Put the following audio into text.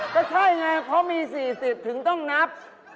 ก็ใช่ไงเพราะมี๔๐ถึงต้องนับ